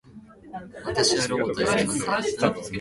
私はロボットではありません